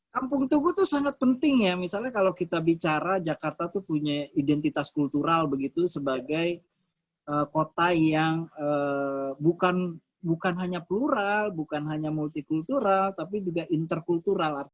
kampung tubuh itu sangat penting ya misalnya kalau kita bicara jakarta itu punya identitas kultural begitu sebagai kota yang bukan hanya plural bukan hanya multikultural tapi juga interkultural